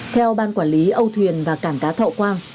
theo ban quản lý âu thuyền và cảng cá thọ quang